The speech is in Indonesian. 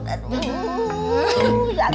aduh sakit perut